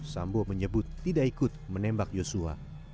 sambo menyebut tidak ikut menembak yosua